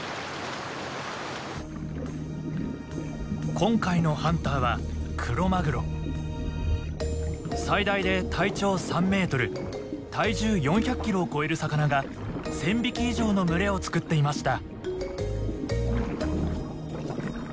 今回のハンターは最大で体長３メートル体重４００キロを超える魚が１，０００匹以上の群れを作っていました。